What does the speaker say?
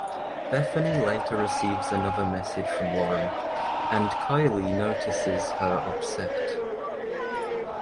Bethany later receives another message from Lauren and Kylie notices her upset.